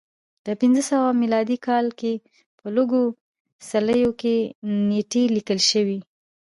د پنځه سوه میلادي کال کې په لږو څلیو کې نېټې لیکل شوې